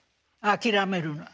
諦めるな。